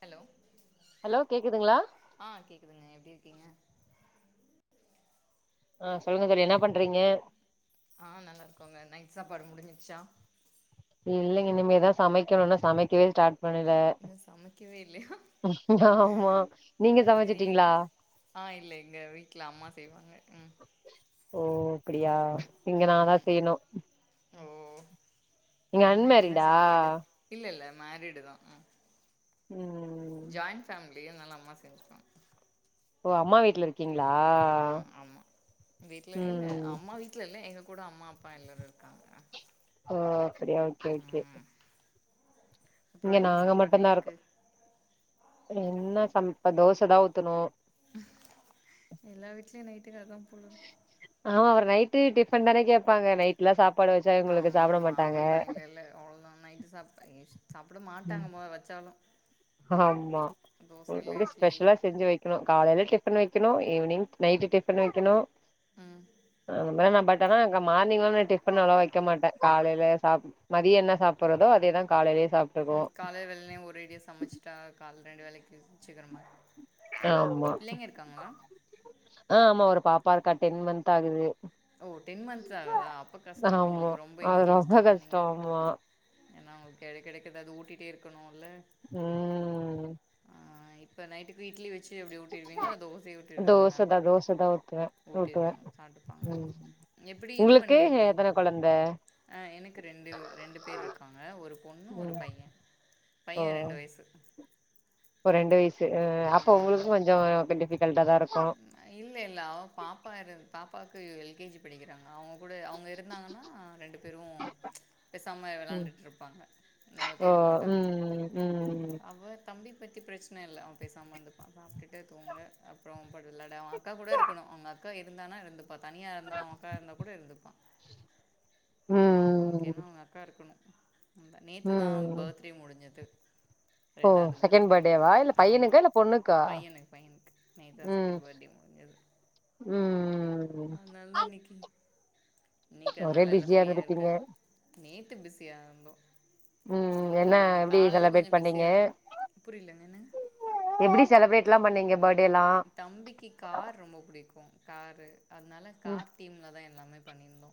Hello hello கேக்குதுங்ளா ஆ கேக்குதுங்க எப்டி இருக்கீங்க ஆ சொல்லுங்க தோழி என்ன பண்றீங்க ஆ நல்லாருக்கோங்க நைட் சாப்பாடு முடிஞ்சிடுச்சா இல்லங்க இனிமே தா சமைக்கணு இன்னு சமைக்கவே ஸ்டார்ட் பண்ணல இன்னு சமைக்கவே இல்லையா ஆமா நீங்க சரி சமைச்சுட்டீங்ளா ஆ இல்ல இல்ல வீட்ல அம்மா செய்வாங்க ம் ஓ அப்டியா இங்க நாதா ம் செய்யணு ஓ அப்றோ நீங்க என்ன என்ன அன்மேரிடா சாப்பாடு இல்ல இல்ல மேரிடு தா ம் ம் ம் ஜாயின்ட் ஃபேமிலி அதனால அம்மா செஞ்சுக்வாங்க ஓ அம்மா வீட்ல இருக் கிங்ளா ஆ ஆமா வீட்ல இல்ல ம் அம்மா வீட் ட்ல இல்ல எங்க கூட அம்மா அப்பா எல்லாரு இருக்காங்க ஆ அப்டியா ஓகே ஓகே ம் அப்றோ இங்க என்ன நாங்க சாப்பாடு மட்டுந்தா இருக்கோ நைட்டுக்கு என்ன சம இப்ப தோச தா ஊத்தனு எல்லா வீட்லயு நைட்டுக் அதா போல ஆ நைட்டு டிஃபன் தானே கேப்பாங்க நைட் லா சாப்பாடு வச்சா இவங்களுக்கு ஆமா சாப்ட ஆமா மாட்டாங்க அவ்ளோதா இல்ல இல்ல அவ்ளோதா நைட்டு சாப் ஐ ஸ் சாப்புடமாட்டாங்க மொத வச்சாலு ஆமா தோச ஒங்களுக் இல்ல அப்டியே இட்லி இல்ல ஸ்பெஷலா செஞ்சு வைக்கணு காலேல டிஃபன் வைக்கணு ஈவ்னிங் நைட்டு டிஃபன் வைக்கணு ம் நம் வேல நா பட் ட்டனா அங்க மார்னிங் வந்து நா டிஃபனல்லா வைக்க மாட்டே காலேல சா மதிய என்ன சாப்பற்றதோ அதேதா காலேலயு சாப் ம் காலேல வெல்னே ஒரு அடியா சமைச்சுட்டா காலேல ரெண்டு வேலைக்கு வச்சுக்கிறமாரி ஆமா ஆ ஆமா ஒரு பாப்பா இருக்கா டென் மந்த் ஆகுது ஓ டென் மந்த்ஸ் ஆகுதா அப்ப கஷ்டோ ஆமா ஒங்களுக்கு ரொம்ப அது ரொம்ப என்கேஜுடு தா கஷ்டோ நீங்க ஆமா ஏனா அவுங்களுக்கு எடைக் எடைக்க ஏதாவது ஊட்டிட்டே இருக்கணூல ம் இப்ப நைட்டுக்கு இட்லி வச்சு எப்டி ஊட்டிற்வீங்களா இல்ல தோசையே ஊட்டிவிடுவீங்களா தோச தா ஊத்துவே ஊட்டிற்வே ஊட்டுவே சாப்ட்டுப்பாங்க ம் எப்டி இது உங்களுக்கு பண்ணிடுவே எத்தன கொழந்த ஆ எனக்கு ரெண்டு ரெண்டு பேர் இருக்காங்க ஒரு பொண்ணு ஒரு ம் பையே பையே ரெண்டு வயசு ஓ ரெண்டு வயசு அ அப்ப ம் ஒங்களுக்கு கொஞ்சோ க டிஃபிகல்டா தா இருக்கு இல்ல இல்ல அவ பாப்பா இரு பாப்பாவுக்கு எல் கே ஜி படிக்கிறாங்க அவுங்க கூட அவுங்க இருந்தாங்கன்னா ரெண்டு பேரு ஆ பெசாம விளாண்டுட்ருப்பாங்க நம்மள ஓ தேடமாட்டாங்க ம் ம் அவர் தம்பி பத்தி பிரச்சன இல்ல அவெ பேசாம இருந்துப்பா சாப்டுட்டு தூங்க அப் அப்பறோ அவெ பாட்டு விளாட அவெ அக்கா கூட இருக்கணு அவுங்க அக்கா இருந்தானா இருந்து இப்ப தனியா இருந்தா அவுங்க அக்கா இருந்தா கூட இருந்துப்பா அவனுக்கு ம் என்னா அவுங்க அக்கா இருக்கணு ம் ப நேத்து தா ம் பர்த்டே முடுஞ்சது ஓ ரெண்டாவது செகண்ட் பர்த்டே பர்த்டேவா இல்ல ஆமா பையனுக்கா இல்ல பொண்ணுக்கா பையனுக்கு பையனுக்கு நேத்தா ம் செகண்ட் பர்த்டே முடுஞ்சது ம் அ அந்தன்னக்கி இன்னக்கி ஒரே அதுனால எல்லா பிஸியா ஃப்ரீயா இருந்திருப்பீங்க இருக்காங்க நேத்து பிஸியா இருந்தோ ம் என்ன இன்னக்கி இன்னக்கி எப்டி காலேல கொஞ்ச செலப்ரேட் பண்ணீங்க பிஸியா இருந்தோ புரிலங்க என்னங்க எப்டி செலப்ரேட்ல்லா பண்ணீங்க பட்டேல்லா தம்பிக்கு கார் ரொம்ப புடிக்கு காரு அதுனால ம் கார் தீம்ல தா எல்லாமே பண்ணியிருந்தோ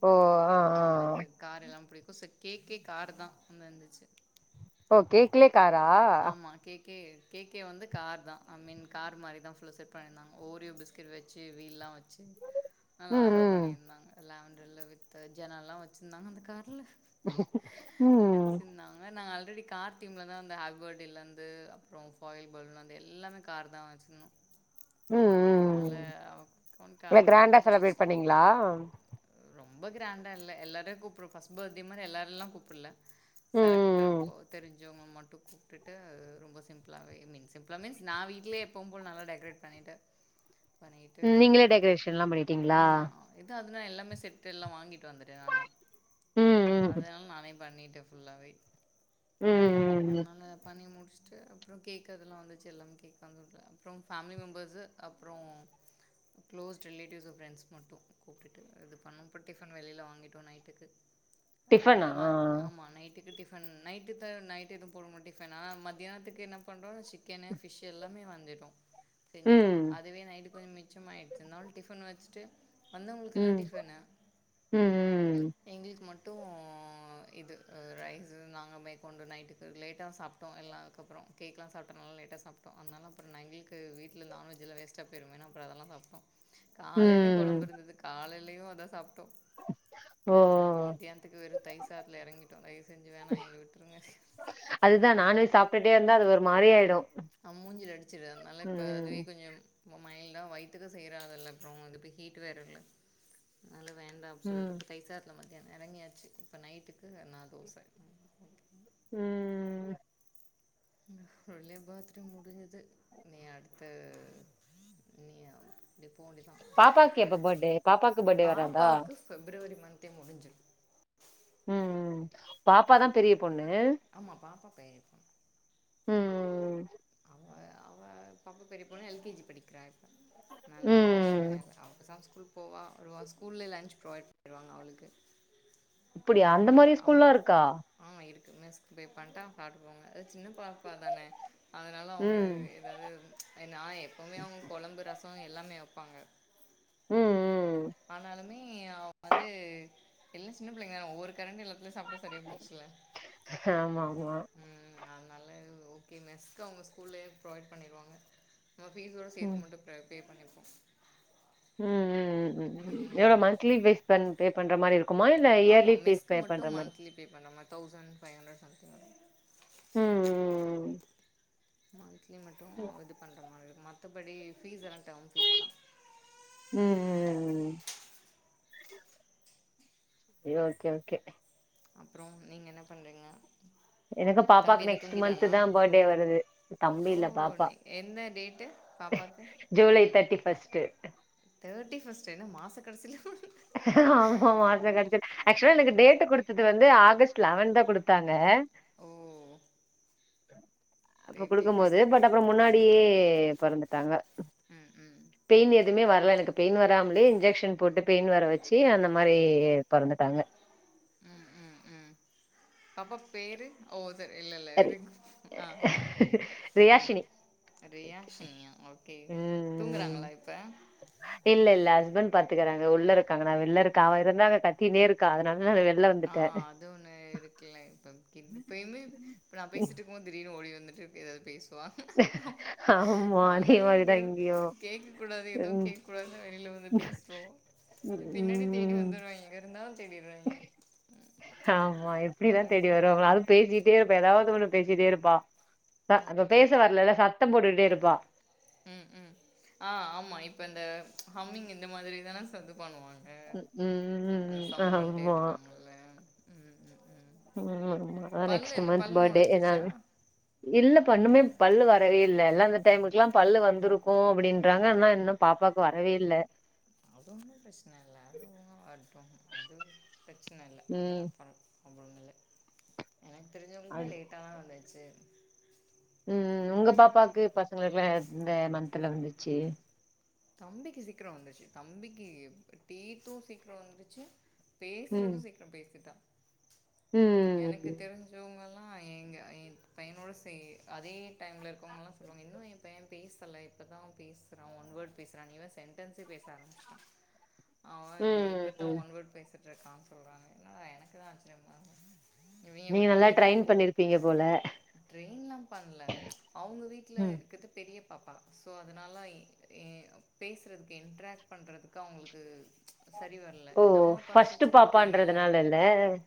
ஓ ஆ ஆ அவனுக்கு காரெல்லா புடிக்கு சேர் கேக்கே காரு தா வந்துருந்துச்சு ஓ கேக்லயே காரா ஆமா கேக்கே கேக்கே வந்து கார் தா ஐ மீன் கார் மாரி தா ஃபுல்லா செட் பண்ணிருந்தாங்க ஓரியோ பிஸ்கெட் வச்சு வீல்லா வச்சு உ நல்லா அழகா பண்ணியிருந்தாங்க லேவண்டர்ல வித்து ஜனல்லா வச்சிருந்தாங்க அந்த கார்ல ம் நாங்க நாங்க ஆல்ரெடி கார் தீம்ல தா வந்து ஆல் பர்டே இருந்து அப்பறோ ஃபாயில் பலூன்ல இருந்து எல்லாமே கார் தா வச்சுருந்தோ ம் அதுனால ம் அவ அவனுக்கு அது ரொம்ப புடுச்சுற்ச்சு ங்களா ரொம்ப கிராண்டா இல்ல எல்லாரையு கூப்ட ஃபர்ஸ்ட் பர்த்டே மாரி எல்லாரயுல்லா கூப்பல்ல ம் செலக்டட் ம் கோ தெருஞ்சவுங்க மட்டு கூப்டுட்டு ரொம்ப சிம்ப்ளாவே ஐ மீன் சிம் பிரமிஸ் நா வீட்லயே எப்பவும் போல நல்ல டெக்ரேட் பண்ணிடேன் ம் நீங்களே டெக்கரேஷன் எல்லாம் பண்ணிட்டீங்களா இதுன் அதுனா எல்லாமே செட்டு எல்லாம் வாங்கிட்டு வந்துடேன் நானே ம் ம் அதனால நானே பண்ணிட்ட ஃபுல்லாவே ம் ம் அவனால பண்ணி முடிச் சிட்டு அப்பறம் கேக் அதெல்லாம் வந்துச்சு எல்லாமே கேக் பங்குடல அப்பறம் ஃபேமிலி மெம்பர்ஸ்ஸு அப்றோ குளோஸ் ரிலேடிவ்ஸ் அன்ட் ஃபிரெண்ட்ஸ் மட்டும் கூப்டுட்டு இது பண்ணோம் இப்போ டிஃபன் வெள்ல வாங்கிடோம் நைட்டுக்கு எம்மம்மா டிஃபனா ஆமா நைட்டுக்கு டிபன் ஃபன் நைட்டு த நைட்டு எதுவும் போடுண டிஃபனா மத்தியானத்துக்கு என்ன பண்ணுறோ சிக்கன்னு ஃபிஷ் எல்லாமே வாங்கிட்டோ செஞ்சுட்டோம் ம். அதுவே நைட்டு கொஞ்சம் மிச்சமாய்யிடுச்சு இருந்தாலும் டிஃபன் வச்சிட்டு வந்தவங்களுக்கெல்லாம் ம். டிபன்னு ம் எங்களுக்கு மட்டும் இது ரைஸ் நாங்கள் மேற்கொண்டு நைட்டுக்கு லேட்டா சாப் எல்லா அதுகப்பறம் கேக்லாம்‌ சாப்டதுனால லேட்டா சாப்டோம் அதனால அப்பறம் எங்களுக்கு வீட்ல நான்வெஜ்லா வேஸ்ட் வேஸ்ட்டா போய்ருமேனு அப்பறம் அதெல்லாம் வப்போம் ம். காலையிலையும் ம். கொழம்பு இருந்தது காலையிலேயும் அதான் சாப்டோம் ஓ! இருந்தாலும் மத்தியானத்துக்கு வெறும் தயிர் சாதத்துல இறங்கிட்டோம் தைவ செஞ்சு வேணாம் எங்கள விட்டுருங்க அதுதான் நான்வெஜ் சாப்டுட்டே இருந்தா அது ஒரு மாறிஆயிடும் ஆ மூஞ்சில அடிச்சுடு நல்லா இப்ப அதுவே கொஞ்சம் இப்போ மைல்டா வயிதாதுக்கு செய்றாகில்ல அப்றோம் இது ஹீட் வேர இல்ல அதனால வேண்டாம் அப்டி சொல்லிட்டு ம். இப்போ தயிர் சாதத்தில மதியானம் எறங்கியாச்சு இப்போ நைட்டுக்கு நான் தோசை ம் ஒரு வழியா பர்த்டே முடிஞ்சது நீ அடுத்த நீ அப்டி போ வேண்டிதான் பாப்பாக்கு எப்ப பர்த்டே? பாப்பாக்கு பர்த்டே வராதா? பாப்பாக்கு பிப்ரவரி மந்த்தே முடிஞ்சிடும் ம் ம் ம் பாப்பாதான் பெரிய பொண்ணு ஆமா‌ பாப்பா பெரிய பொண் ம் ம் ம் அவ அவ பாப்பா பெரிய பொண்ணு எல் கே ஜி படிக்கிறா நல்ல அவ ம். பிரச்சனை அவ தான் ஸ்கூல் போவா வருவா ஸ்கூல்ல லன்ச் ப்ரொவைட் பண்ணிடுவாங்க அவளுக்கு இப்டியா அந்த மாறி ஸ்கூல்லாம் இருக்கா ஆ இருக்கு மெஸ்கு பே பண்ணிட்டா அங்க சாப்டுகுவாங்க அது சின்ன பாப்பா தானே அதனால அவங்க ம். ஏதாவது நான் எப்போவுமே அவங்க கொழம்பு ரசம் எல்லாமே வைப்பாங்க ம் ம் ம் ஆனாலுமே வந்து எல்லாம் சின்ன பிள்ளைங்க ஒரு கரண்டி எல்லாத்துலயும் சாப்ட சரி முச்சலா ஆமா, ஆமா. ம் அதனால ஓகே மெஸ்க்கு அவங்க ஸ்கூல்லயே ப்ரொவைட் பண்ணிடுவாங்க நம்ம ஃபீஸோட ம். சேர்த்து மட்டும் பே பண்ணிப்போம் ம் ம் ம் எவ்ளோ மந்த்லி பீஸ் பே பண்ற மாறி இருக்குமா இல்ல ஆமா இயர்லி பீஸ் மெஸ்க்கு பே மட்டு பண்ற மாறி மந்த்லி பே பண்ற மாறி தௌசண்ட்ஃபைவ்ஹண்ட்ரட் சம்தி்ங் வரும் ம். மந்த்லி மட்டும் இது பண்ற மாறி மத்தபடி ஃபீஸ் எல்லாம் டேம் ஃபீஸ் தான் ம் ம் ம் ம் சேர் ஓகே ஓகே அப்பறம் நீங்க என்ன பண்றீங்க எனக்கு தம்பி பாப்பாக்கு என்ன நெக்ஸ்ட் மந்த் தூங்கிட்டானா தான் பர்த்டே வருது தம்பி ஓ இல்ல பாப்பா நீ என்னடி கேட்டு பாப்பாக்கு July thirty first thirty first என்ன மாச கடைசியில ஆமா மாச கடைசில ஆக்சுவலா எனக்கு டேட்டு கொடுத்தது வந்து ஆகஸ்ட் லெவன் தா குடுத்தாங்க ம் ஆ அப்ப குடுக்கும் போது ஃபஸ்ட்டு பட் அப்புறம் முன்னாடியே பிறந்துட்டாங்க ம் ம் பெயின் எதுமே வரல எனக்கு பெயின் வராமலே இன்ஜெக்ஷன் போட்டு பெயின் வர வச்சு அந்த மாதிரி பொறந்துட்டாங்க ம் ம் ம் பாப்பா பேரு ஓ சேரி இல்ல இல்ல ரி- இருக்கு ஆ உம் ரியாஷினி ரியாஷனியா ஓகே உம் தூங்குறாங்களா இப்ப இல்ல இல்ல ஹஸ்பண்ட் பாத்துக்கறாங்க உள்ள இருக்காங்க நா வெளில இருக்க அவ இருந்தாங்க கத்திகிட்டே இருக்கா அதனால வெளிய ஆ அது ஒண்ணு இருக்கலே இப்ப அப்றோ பேசிட்டு இருக்கும் போது திடீர்னு ஓடி வந்துட்டு ஏதாவது பேசுவா ஆமா அதே நம்மளே இங்க மாரிதான் இங்கேயும். கேக்க கூடாது எதுவும் ம். கேக்க கூடாதுன் வெளியில வந்து பேசுறோம் பின்னாடி தேடி ம். வந்துருவாங்க எங்க இருந்தாலும் தேடிருவாங்க ஆமா எப்படிதான் தேடி அதாக்கா வருவாங்களோ அதுக் பேசிட்டே இருப்பா ஏதாவது ஒண்ணு பேசிட்டே இருப்பா த அப்ப ஆமா பேச வரலல்ல சத்தம் போட்டுட்டே இருப்பா உம் உம் ஆ ஆமா இப்ப இந்த ஹம்மிங் இந்த மாதிரி தானா சத்து பண்ணுவாங்க ம். ம், ம், ஆ அந்த ம். சவுண்ட் பண்ணிட்டே ஆமா. இருப்பாங்கல்ல ம் ம் ம் ஆ ஆ அதான் பல்லு நெக்ஸ்ட் இல்ல மந்த் பல்லு பர்த்டே மொளச்சிருச்சா ஏதாது இல்ல பண்ணுமே பல்லு வரவே இல்ல எல்லாம் அந்த டைமுக்குல்லா பல்லு வந்துரும் ஓ அப்படின்றாங்க ஆனா இன்னும் பாப்பாவுக்கு வரவே இல்ல அது ஒன்னும் பிரச்சனை இல்ல அது ஒன்னும் வரட்டும் அது பிரச்சனை இல்ல ம். அதெல்லாம் ப ஒன்னும் இல்ல எனக்கு தெரிஞ்சவுங்களுக்குமே அது லேட்டாக தான் வந்துச்சு ம் உங்க பாப்பாவுக்கு அதுதா பசங்களுக்குல்லா எப் இந்த மந்த்ல வந்துச்சு தம்பிக்கு சீக்கிரம் வந்துருச்சு தம்பிக்கு டீத்தும் சீக்கிரம் வந்துச்சு ம். பேசுறதும் சீக்கிரம் பேசிட்டா எனக்கு தெரிஞ்சு ம். தெரிஞ்சவுங்கள்லா எங்க என் பையனோடு சே அதே டைம்ல இருக்கவுங்கள்லா சொல்லுவாங்க இன்னும் என் பையன் பேசல இப்பதா பேசுறா ஒன்வர்டு பேசுறான் இவன் சென்டன்ஸ்ஸே பேச ஆரம்பிச்சிட்டா அவன் ம். இப்பத்தான் ஒன்வேர்டு பேசுறான் இருக்கான் சொல்றாங்க என்னடா எனக்குதான் ஆச்சர்யமா இருக்கு இவிங்க நீங்க விட்டா நல்லா அது எடுத்து ட்ரெயின் போய் பண்ணிருப்பீங்க போல ட்ரெயின்ல்லாம் பண்ல அவுங்க வீட்டுல ம். இருக்கிறது பெரிய பாப்பா ஸோ அதனால ஏன் பேசுறதுக்கு இன்ட்ரக்ட் பண்றதுக்கு அவுங்களுக்கு சரி வரல இல்ல ஓ நம்ம பசங்க ஃபர்ஸ்ட் சின்ன பிள்ளைங்கல்ல பாப்பான்றதுனால இல்ல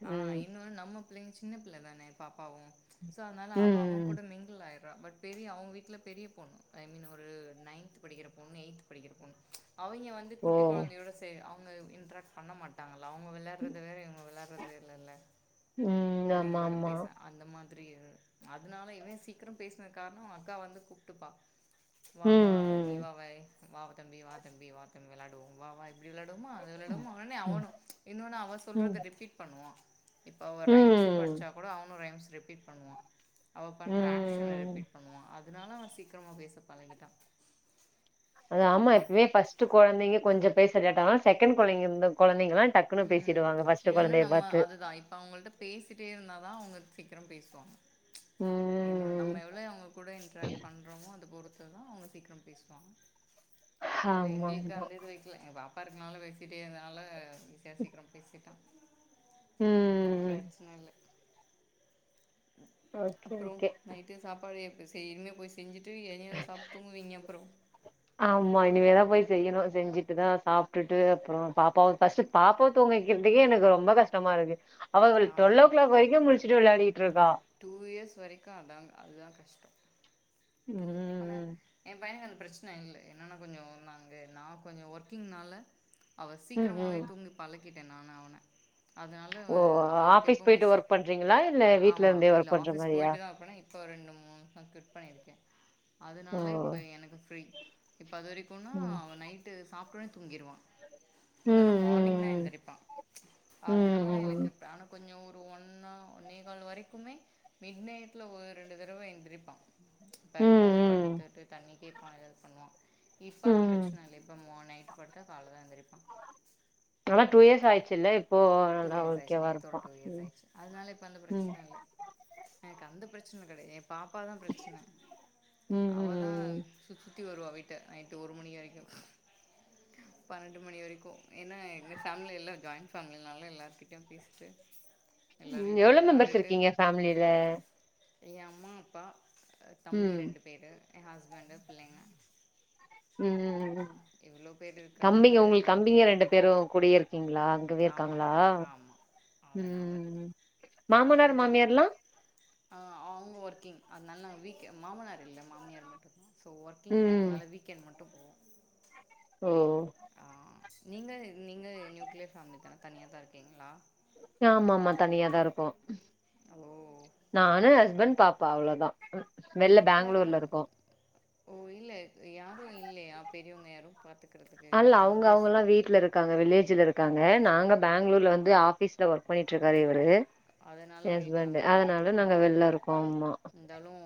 ஆ ம் இன்னொன்னு நம்ம பிள்ள சின்ன பிள்ள தான பாப்பாவும் ஸோ அதனால அவன் அவன் ம் கூட மிங்கில் ஆயி பட் பெரிய அவுங்க வீட்டுல பெரிய பொண்ணு ஐ மீன் ஒரு நைன்த்து படிக்கிற பொண்ணு எய்த்து படிக்கிற பொண்ணு அவிங்க வந்து ஓ குட்டி கொழந்தையோட சே அவுங்க இன்ட்ராக்ட் பண்ண மாட் டாங்கல்ல அவுங்க விளையாடுறது வேற இவுங்க விளையாடுறது வேற இல்லல்ல ம் ஆமா பிள்ளைங்களோட ஆமா பேசா அந்த மாதிரி அதனால இவன் சீக்கிரம் பேசுனது காரணம் அக்கா வந்து கூப்ட்டுப்பா வா வா நீ ம் வா வாய் வா தம்பி வா தம்பி வா தம்பி விளையாடுவோம் வா வா இப்டி விளையாடுவோமா அது விளையாடுவோமா உடனே ம் அவனும் இன்னொன்னு அவன் ம் சொல்றத ரிப்பீட் பண்ணுவா இப்ப அவா ரைம்ஸே ம் படிச்சா கூட அவனும் ரைம்ஸ் ரிப்பீட் பண்ணுவா அவ பண்ற ஆக்ஷன ம் ரிப்பீட் பண்ணுவான் அதனால அவன் சீக்கிரமா பேச பழகிட்டான் அது ஆமா எப்பவுமே ப்பர்ஸ்ட் கொழந்தைங்க கொஞ்சம டேல்லாட்டயாகும் செகண்ட் முந்த குழந்தைங்க எல்லாம் ம் இதுவேன்னா நம்ம அதுதான் இப்ப அவங்கள்ட்ட பேசிட்டே இருந்தா தா அவங்க சீக்கிரம் பேசுவாங்க இன்னும் ம் நம்ம எவ்ளோ அவங்க கூட இன்ட்ராக்ட் பண்றோமோ அது பொறுத்து துதான் அவங்க சீக்கிரம் பேசுவாங்க அதுல ஆமா எங்களுக்கு ஆமா அந்த இது வக்கல பாப்ப ப்ப இருக்கனால பேசிட்டே அதனால ஈசியா சீக்கிரம் பேசிட்டா அதனால ம் பிரச்சன இல்ல ஓகே அப்புறம் ஓகே நைட்டு சாப்பாடு எப்ப செய்யனும் இனிமே போய் செஞ்சுட்டு எனய சாப்ட்டு தூங்குவீங்க அப்றம் ஆமா இனிமே தா போய் செய்யணும் செஞ்சுட்டுதா சாப்பிட்டுட்டு அப்றம் பாப்பாவு பர்ஸ்ட் பாப்பாவ தூங்கவக்கறதுக்கே எனக்கு ரொம்ப கஷ்டமா இருக்கு அவள் டுவல்லோ ஓ கிளாக் வரைக்கு முழிச்சுட்டு வெளையாடிட்டுருக்கா டூ இயர்ஸ் வரைக்கும் அதா அதுதா கஷ்டம் டூ இயர் ஆனா ம் என் பையனுக்கு அந்த பிரச்சன இல்ல என்னென்னா கொஞ்ச நாங்க நா கொஞ்ச ஒர்க்கிங்னால அவ ம் சீக்கிரமாவே ம் தூங்கி பழகிட்டேன் நானு அவன அதனால ஓ அவ அவனுக்கு ஆஃபீஸ் எப்பமே போயிட்டு ஒர்க் பண்றீங்களா இல்ல வீட்ல ஆமாம் இருந்தே இல்ல ஒர்க் பண்ற ஆஃபீஸ் மாரியா போயிட்டு தா அப்பனா இப்போ ரெண்டு மூணு ஒர்க்கு க்விட் பண்ணிருக்கே ஓ அதனால இப்போ எனக்கு ஃப்ரீ இப்போ அது வரைக்கும்ன்னா ம் அவன் நைட்டு சாப்டோனே தூங்கிடுவான் ம் இன்னொன்னு மார்னிங் தா ம் எந்திரிப்பான் ம் அதனால எனக்கு ம் ஆனா கொஞ்சம் ஒன்னா ஒன்னே கால் வரைக்குமே மிட் நைட்ல ஒரு ரெண்டு தடவ எந்திரிப்பான் இப்ப ம் ரெண்டாவது ம் படுத்துட்டு தண்ணி கேடப்பான் ம் ஏதா பண்ணுவான் இப்பலாம் ம் பிரச்சன இல்லை இப்போ மா நைட்டு் படுத்தா கால்லதா எந்திரிப்பான் டூ வா டூ இயர்ஸ் ஆய்ச்சு இல்ல டூ இயர்ஸ் ஆயிச்சு நேத்தோட டூ இயர்ஸ் ஆயிடுச்சு அதனால இப்ப அந்த ம் பிரச்சன இல்ல எனக்கு அந்த பிரச்சன கடையாது என் பாப்பா தான் பிரச்சன ம் அவதா ம் சு சுத்தி வருவா விட்ட நைட்டு ஒரு மணி வரைக்கும் பன்னெண்டு மணி வரைக்கு ஏன்னா எங்க ஃபேமிலி எல்லாம் ஜாயிண்ட் ஃபேமிலி அதனால எல்லார்க்கிட்டயும் பேசிட்டு ம் எல்லோரையும் கூட எவ்ள மெம்பர்ஸ் இருக்கீங்க ஃபேமிலில எ அம்மா அப்பா ம் தம்பி ரெண்டு பேரு என் ஹஸ்பண்ட் பிள்ளைங்க ம் ம் ம் இவ்வளோ பேர் தம்பிங்க இருக்கறனால உங்களுக்கு ஜாயின் தம்பிங்க ரெண்டு பேரும் கூடயே இருக்கீங்களா வே ஆமாம் இருக்காங்களா ஆமாம் அதனால் ம் மாமனார் மாமியார்ல்லாம் ஆ அவுங்க ஒர்க்கிங் அதனால நா வீக்கு மாமனார் இல்லை மாமியார் மட்டு்தா ஸோ ஒர்க்கிங் ம் அதனால வீக்கெண்ட் மட்டு போவோ ஓ ஆ நீங்க நீங்க நியூக்ளியர் ஃபேமிலி தானே தனியாக தா இருக்கீங்களா ஆமா ஆமா தனியாதா இருக்கோம் ஒ நானும் ஹஸ்பண்ட் பாப்பா அவ்ளவுதா வெள்ல பாப்பா இருக்கா பெங்களூர்ல இருக்கோ ஓ இல்ல யாரும் இல்லயா பெரியவங்க யாரும் பாத்துக்கறதுக்கு அல்ல ஏன்னா அவங்க அங்க அவங்கல்லா வீட்ல இருக்கு இருக்காங்க வில்லேஜ்ல இருக்காங்க நாங்க பெங்களூர்ல வந்து ஆபீஸ்ல ஒர்க் பண்ணிட்டு இருக்காரு இவரு அதனால் உங்களுக்கு ஹெஸ்பண்ட் அங்கே அதனால பார்த்துக்கிறீங்க நாங்க வெள்ல இருக்கோ ஆமா இருந்தாலும்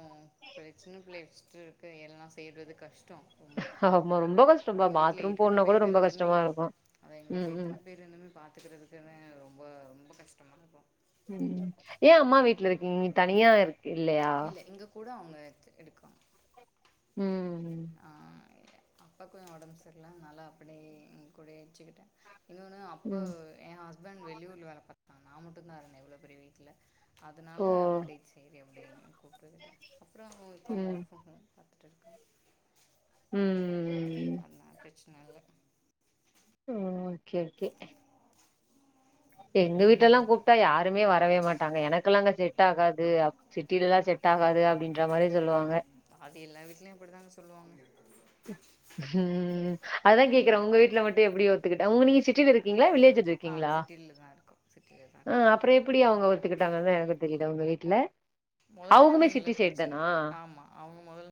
ப சின்ன பிள்ளை வச்சட்டு இருக்கு எல்லா செய்றது கஷ்டம் ரொம்ப ஆமா ரொம்ப கஷ்டம்பா எங்கள் வீட்டில் பாத்ரூம் இத்தனை போகனுனா கூட பேர் ரொம்ப இருந்துமே கஷ்டமா இருக்கும் அதான் எங்கள் ம் வீட்டில் ம் இத்தனை பேர் ரெண்டுமே பாத்துக்கறதுக்கு ரொம்ப ரொம்ப கஷ்டமா இருக்கு ம் ஏ அம்மா வீட்ல இருக்கீங்க தனியா இரு இல்லையா எங்க கூட அவுங்க இருக்காங்க ம் ஆ அப்பாக்கு ஒடம்பு சரில அதனால அப்டே ஏ கூடயே வெச்சுக்கிட்டே இன்னொன்னு அப்போ ம் ஏ ஹஸ்பண்ட் வெளியூர்ல வேல பாத்தா நா மட்டுதா இவ்ளோ பெரி வீட்ல ஓ அதனால அப்டி சேரி அப்டி கூப்ட்டுக்கிட்ட அப்றோ அவ இப்போ அவங்க ம் ஒர்க் ஃப்ரம் ஹோம் பாத்துட்டுருக்கா ம் அதனால ப்ரச்சன இல்ல ம் ஓகே ஓகே எங்க வீட்லல்லா ம், கூப்ட்டா யாருமே வரவே மாட்டாங்க எனக்கெல்லா அங்க செட் ஆகாது சிட்டிலல்லா செட் செட் ஆகாது அப்டின்ற மாரி சொல்லுவாங்க அது எல்லா வீட்லயு அப்டித்தாங்க சொல்லுவாங் உம் அததா கேக்குறே ஏன் உங்க வீட்ல மட்டு எப்டி ஒத்துக்கிட்டங்க உங் நீங்க சிட் டில இருக்கீங்ளா வில்லேஜ்ல ஆ இருக்கீங்ளா சிட்டியில் தான் இருக்கோம் சிட்டியில் தான் அப்ப இருக்கோம் அப்றோ எப்டி அவங்க ஒத்துக்கிட்டாங்கதா எனக்கு தெரில ஒங்க வீட்ல மொதல்லதா அவுங்குமே அவங்க எங்கள சிட்டி சைட் ப்ரச்சன தானா ஆமா அவங்க மொதல்